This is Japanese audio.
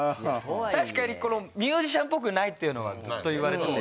確かにミュージシャンっぽくないっていうのはずっと言われてて。